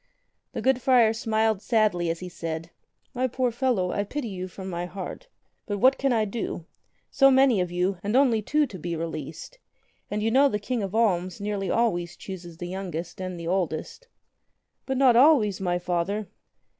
The good friar smiled sadly as he said: "My poor fellow, I pity you from my heart. But what can I do? So many of you, and only two to be released! And you know the King of Alms nearly always chooses the youngest and the oldest." "But not always, my Father."